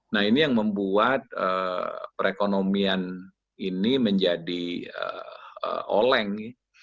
nah ini yang membuat perekonomian ini menjadi oleng